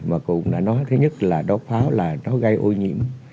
và cũng đã nói thứ nhất là đốt pháo là nó gây ô nhiễm